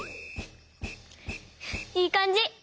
いいかんじ！